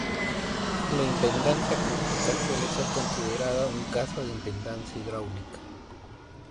La impedancia acústica suele ser considerada un caso de impedancia hidráulica.